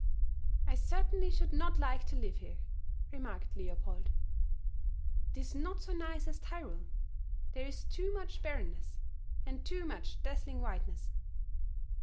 "I certainly should not like to live here," remarked Leopold; "it is not so nice as Tyrol; there is too much barrenness, and too much dazzling whiteness."